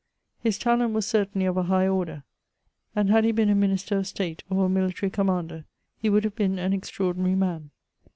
His talent was certainty of a high order; and, had he been a minister of state or a military •commander, he would have been an extraordinary man.